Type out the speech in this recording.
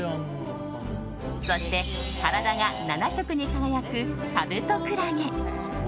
そして、体が７色に輝くカブトクラゲ。